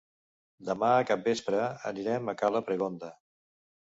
Demà a capvespre anirem a cala Pregonda.